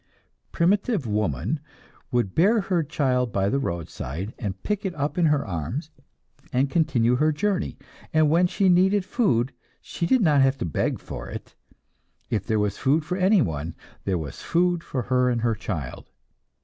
Primitive woman would bear her child by the roadside, and pick it up in her arms, and continue her journey; and when she needed food, she did not have to beg for it if there was food for anyone, there was food for her and her child.